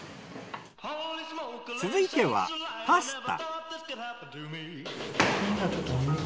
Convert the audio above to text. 続いてはパスタ。